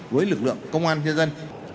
với lực lượng công an nhân dân